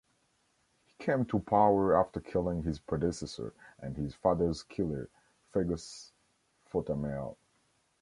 He came to power after killing his predecessor, and his father's killer, Fergus Fortamail.